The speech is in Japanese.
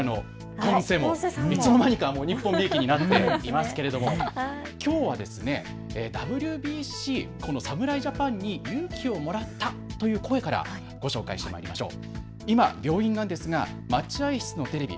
首都圏ネットワークレギュラーのポンセさんもいつもよりも日本びいきになっていますけれども、きょうはＷＢＣ、侍ジャパンに勇気をもらったという声からご紹介してまいりましょう。